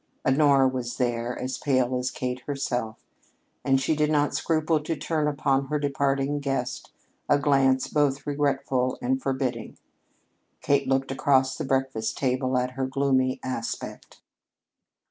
Honora was there, as pale as Kate herself, and she did not scruple to turn upon her departing guest a glance both regretful and forbidding. Kate looked across the breakfast table at her gloomy aspect.